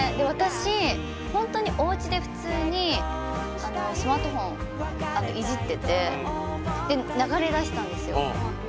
私ほんとにおうちで普通にスマートフォンいじっててで流れだしたんですよ。